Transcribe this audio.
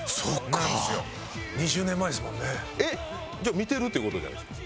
じゃあ見てるって事じゃないですか。